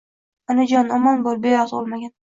Onajon omon bul bevaqt ulmagin